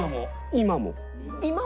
今も？